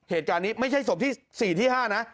เหตุการณ์นี้ไม่ใช่ศพที่๔ที่๕นะ